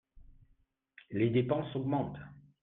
Les dépenses augmentent